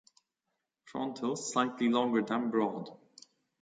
Frontal slightly longer than broad.